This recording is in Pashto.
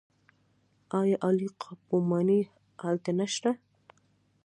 آیا عالي قاپو ماڼۍ هلته نشته؟